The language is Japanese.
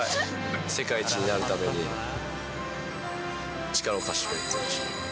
世界一になるために、力を貸してくれって言われました。